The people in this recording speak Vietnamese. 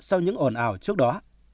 sau những ồn ào trước đó